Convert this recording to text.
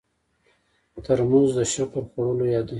ترموز د شکر خوړلو یاد دی.